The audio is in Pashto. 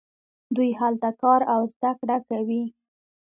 دوی هلته کار او زده کړه کوي.